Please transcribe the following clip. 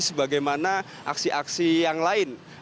sebagaimana aksi aksi yang lain